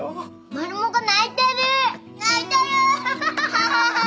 マルモが泣いてる。